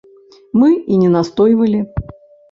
Мы і не настойвалі.